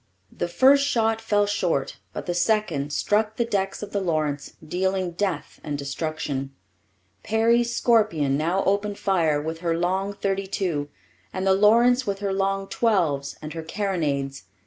The first shot fell short, but the second struck the decks of the Lawrence, dealing death and destruction. Perry's Scorpion now opened fire with her long thirty two, and the Lawrence with her long twelves and her carronades.